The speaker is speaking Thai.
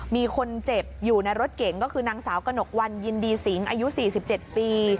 มีคนเจ็บอยู่ในรถเก๋งก็คือนางสาวกระหนกวันยินดีสิงอายุ๔๗ปี